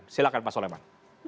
silakan pak soleman